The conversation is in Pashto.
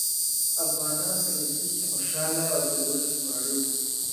افغانان په نېستۍ کې خوشاله او په لوږه کې ماړه وو.